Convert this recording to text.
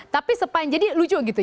tapi sepanjang dia lucu gitu